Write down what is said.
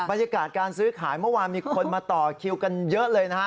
บรรยากาศการซื้อขายเมื่อวานมีคนมาต่อคิวกันเยอะเลยนะฮะ